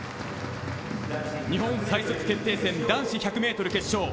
日本最速決定戦、男子１００ｍ決勝。